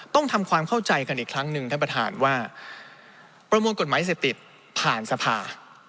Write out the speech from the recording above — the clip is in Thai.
ต้องทำความเข้าใจกันอีกครั้งหนึ่งท่านประธานว่าประมวลกฎหมายเสพติดผ่านสภา